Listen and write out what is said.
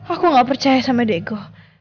aku gak percaya sama diego